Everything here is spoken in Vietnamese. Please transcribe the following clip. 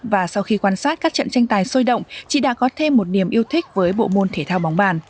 và sau khi quan sát các trận tranh tài sôi động chị đã có thêm một niềm yêu thích với bộ môn thể thao bóng bàn